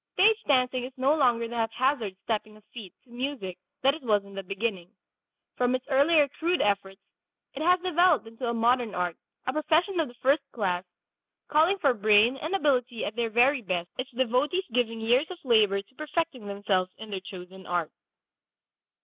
Stage dancing is no longer the haphazard stepping of feet to music that it was in the beginning. From its earlier crude efforts it has developed into a modern art, a profession of the first class, calling for brain and ability at their very best, its devotees giving years of labor to perfecting themselves in their chosen art.